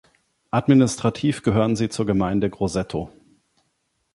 Administrativ gehören sie zur Gemeinde Grosseto.